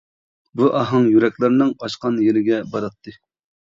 بۇ ئاھاڭ يۈرەكلەرنىڭ ئاچقان يېرىگە باراتتى.